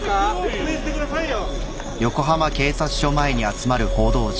説明してくださいよ。